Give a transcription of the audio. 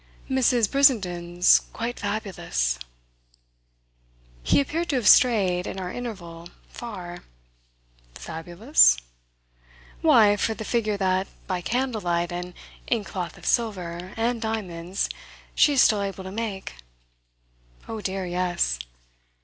"Mrs. Brissenden's quite fabulous." He appeared to have strayed, in our interval, far. "'Fabulous'?" "Why, for the figure that, by candle light and in cloth of silver and diamonds, she is still able to make." "Oh dear, yes!"